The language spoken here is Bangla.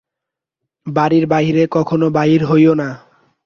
বাড়ির বাহিরে কখনো বাহির হইয়ো না।